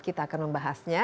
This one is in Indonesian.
kita akan membahasnya